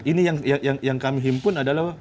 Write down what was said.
ini yang kami himpun adalah